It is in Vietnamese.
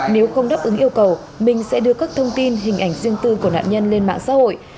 nếu không đáp ứng yêu cầu minh sẽ đưa các thông tin hình ảnh riêng tư của nạn nhân lên mạng xã hội